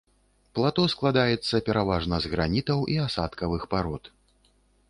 Плато складаецца пераважна з гранітаў і асадкавых парод.